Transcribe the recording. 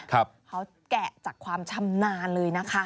เขาแกะจากความชำนาญเลยนะคะ